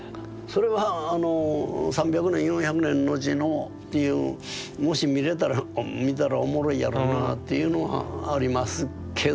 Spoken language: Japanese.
それはあの３００年４００年のちのっていうもし見れたら見たらおもろいやろなあっていうのはありますけど。